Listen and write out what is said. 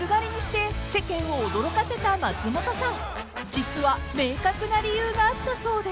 ［実は明確な理由があったそうで］